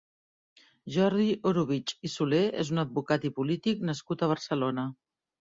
Jordi Orobitg i Solé és un advocat i polític nascut a Barcelona.